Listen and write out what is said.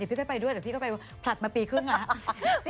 เดี๋ยวพี่ไปด้วยเดี๋ยวพี่ก็ไปพลัดมาปีครึ่งนะ